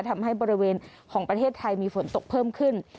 ทำให้บริเวณของประเทศไทยมีฝนตกเพิ่มขึ้น